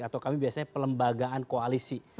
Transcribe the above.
atau kami biasanya pelembagaan koalisi